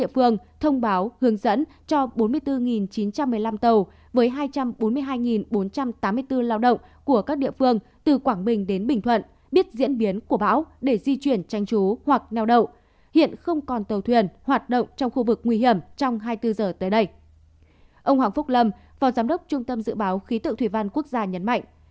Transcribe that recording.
phải tiến hành xong trước một mươi tám h tối nay